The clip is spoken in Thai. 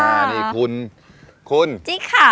อ่านี่คุณกูนจิ๊ก์ค่ะ